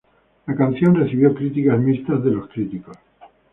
La canción recibió críticas mixtas de los críticos.